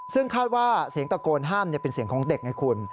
ซึ่งคาดว่าเสียงตะโกนห้ามเป็นเสียงของเด็กไงคุณ